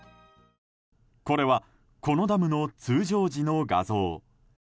これはこのダムの通常時の画像。